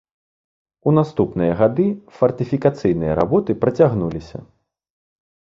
У наступныя гады фартыфікацыйныя работы працягнуліся.